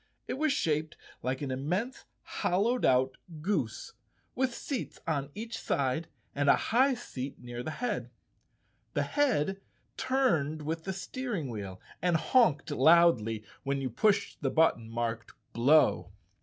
It was shaped like an immense hollowed out goose, with seats on each side and a high seat near the head. The head turned with the steer¬ ing wheel and honked loudly when you pushed the but¬ ton marked " Blow."